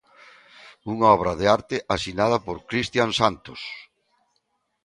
Unha obra de arte asinada por Cristian Santos.